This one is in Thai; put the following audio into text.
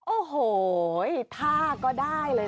โอ้โหท่าก็ได้เลย